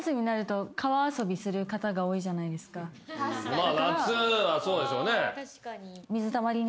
まあ夏はそうですよね。